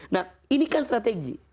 nah ini kan strategi